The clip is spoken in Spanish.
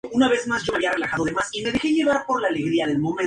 Se lanzó a finales de mayo como el sencillo principal del álbum "Disraeli Gears".